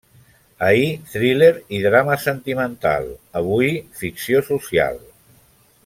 Ahir, thriller i drama sentimental; avui, ficció social.